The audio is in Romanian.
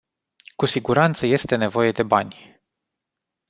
Cu siguranță este nevoie de bani.